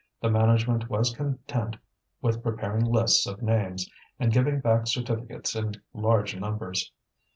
The management was content with preparing lists of names and giving back certificates in large numbers.